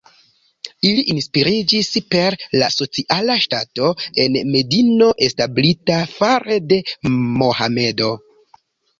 Ili inspiriĝis per la sociala ŝtato en Medino establita fare de Mohamedo.